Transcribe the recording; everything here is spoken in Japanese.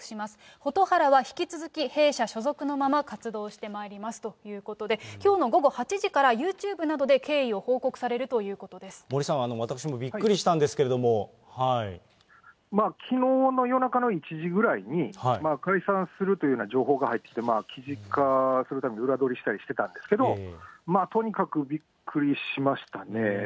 蛍原は引き続き弊社所属のまま活動してまいりますということで、きょうの午後８時からユーチューブなどで経緯を報告されるという森さん、私もびっくりしたんきのうの夜中の１時ぐらいに、解散するというような情報が入ってきて、裏取りしたりしてたんですけれども、とにかくびっくりしましたね。